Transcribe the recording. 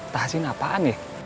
tahsin apaan ya